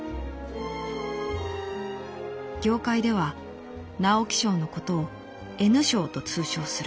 「業界では直木賞のことを『Ｎ賞』と通称する」。